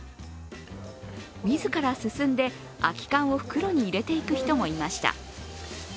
自らすすんで空き缶を袋に入れていく人もいました。